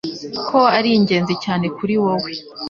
ko ari ingenzi cyane kuri wowe,